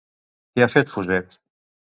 Què ha fet Fuset?